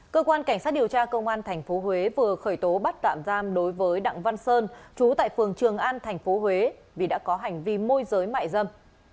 cơ quan cảnh sát điều tra công an tp huế vừa khởi tố bắt tạm giam đối với đặng văn sơn trú tại phường trường an tp huế vì đã có hành vi môi giới mại dâm